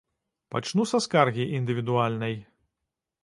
Пачну са скаргі індывідуальнай.